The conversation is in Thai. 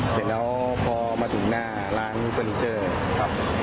เสร็จแล้วพอมาถึงหน้าล้างคุณคุณนิกเฉิน